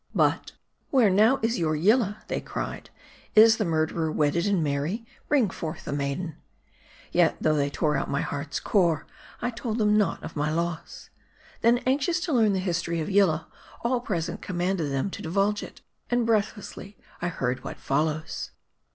But, " Where now is your Yillalx?" they cried. " Is the murderer wedded and merry ? Bring forth the maiden !" Yet, though they tore out my heart's core, I told them not of my loss. Then, anxious, to learn the history of Yillah, all present commanded them to divulge it ; and breathlessly I heard what follows.